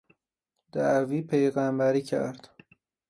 دعوی پیغمبری کرد